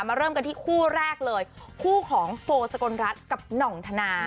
เริ่มกันที่คู่แรกเลยคู่ของโฟสกลรัฐกับหน่องธนา